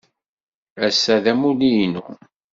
Ass-a d amulli-inu.